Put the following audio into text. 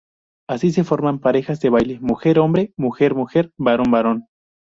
Así se forman parejas de baile mujer-hombre, mujer-mujer, varón-varón.